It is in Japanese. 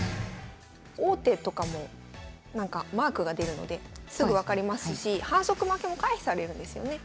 王手とかもなんかマークが出るのですぐ分かりますし反則負けも回避されるんですよね。